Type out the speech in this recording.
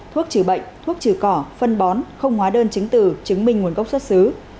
thuốc trừ bệnh thuốc trừ cỏ phân bón không hóa đơn chứng từ chứng minh nguồn gốc xuất xứ